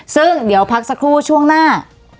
ซึ่งเดี๋ยวพักสักครู่ช่วงหน้า